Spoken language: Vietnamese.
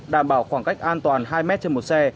đảm bảo khoảng cách an toàn hai mét trên một xe